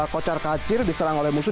kocar kacir diserang oleh musuh